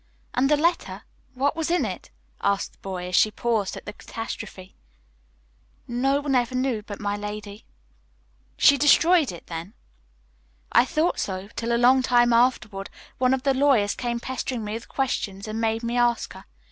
"And the letter? What was in it?" asked the boy, as she paused at the catastrophe. "No one ever knew but my lady." "She destroyed it, then?" "I thought so, till a long time afterward, one of the lawyers came pestering me with questions, and made me ask her.